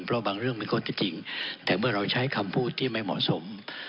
เพราะบางเรื่องมีข้อที่จริงแต่เมื่อเราใช้คำพูดที่ไม่เหมาะสม